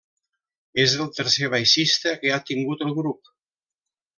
És el tercer baixista que ha tingut el grup.